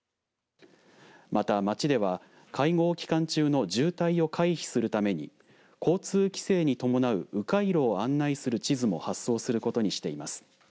また、町では会合期間中の渋滞を回避するために交通規制に伴うう回路を案内する地図も発送することにしています。